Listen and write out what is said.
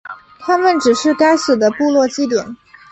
它们只是该死的部落祭典。